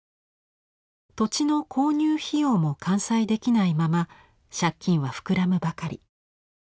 土地の購入費用も完済できないまま借金は膨らむばかり。